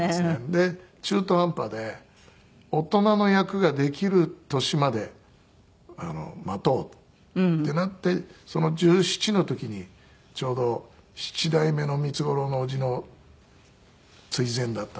で中途半端で大人の役ができる年まで待とうってなってその１７の時にちょうど七代目の三津五郎のおじの追善だったんですけどね。